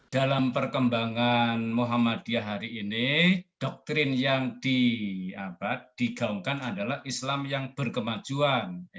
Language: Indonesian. dalam perkembangan muhammadiyah hari ini doktrin yang digaungkan adalah islam yang berkemajuan